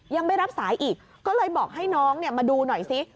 ยังไม่รับสายอีกก็เลยบอกให้น้องมาดูหน่อยซิ